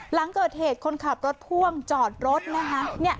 หลังเกิดเหตุคนขับรถพ่วงจอดรถนะคะ